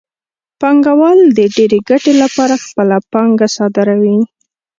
پانګوال د ډېرې ګټې لپاره خپله پانګه صادروي